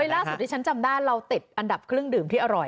ล่าสุดที่ฉันจำได้เราติดอันดับเครื่องดื่มที่อร่อย